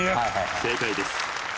正解です。